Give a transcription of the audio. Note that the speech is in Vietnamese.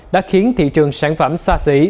đã khiến thị trường sản phẩm xa xỉ